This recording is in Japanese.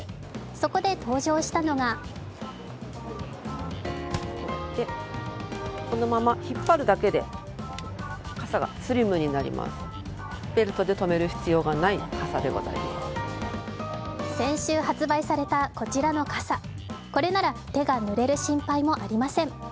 そこで登場したのが先週発売されたこちらの傘、これなら手がぬれる心配もありません。